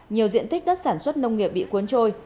nhiều diện tích đất sản xuất nông nghiệp bị cuốn trôi